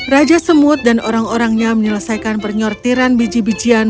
raja semut dan orang orangnya menyelesaikan pernyortiran biji bijian